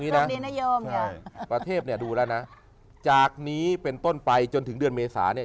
นี่นะประเทศเนี่ยดูแล้วนะจากนี้เป็นต้นไปจนถึงเดือนเมษาเนี่ย